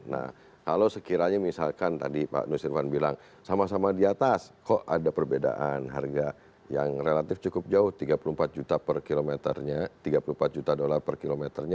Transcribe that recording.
nah kalau sekiranya misalkan tadi pak nusirwan bilang sama sama di atas kok ada perbedaan harga yang relatif cukup jauh tiga puluh empat juta per kilometernya tiga puluh empat juta dolar per kilometernya